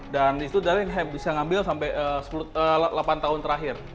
dan itu dari yang saya bisa ngambil sampai delapan tahun terakhir